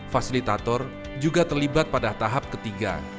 fasilitator juga terlibat pada tahap ketiga